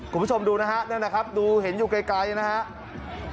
คุณผู้ชมดูนะครับดูเห็นอยู่ไกลนะครับ